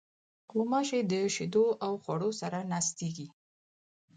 غوماشې د شیدو او خوړو سره ناستېږي.